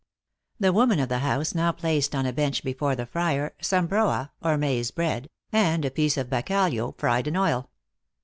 The woman of the house now placed on a bench before the friar, some Iroa, or maize bread, and a piece of bacalhao, fried in oil.